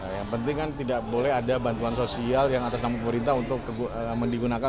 yang penting kan tidak boleh ada bantuan sosial yang atas nama pemerintah untuk digunakan